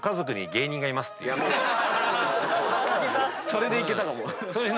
それでいけたかも。